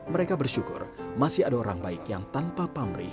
mereka bersyukur masih ada orang baik yang tanpa pamrih yang masih berharga